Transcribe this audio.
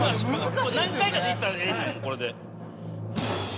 何回かでいったらええねんこれで。